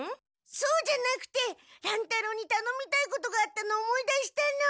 そうじゃなくて乱太郎にたのみたいことがあったのを思い出したの。